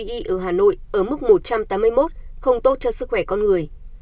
cụ thể lúc một mươi h ba mươi chỉ số không khí aqi ở hà nội ở mức một trăm tám mươi một không tốt cho sức khỏe con người